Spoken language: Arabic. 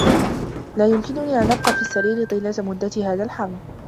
لا يمكنني أن أبقى في السّرير طيلة مدّة هذا الحمل.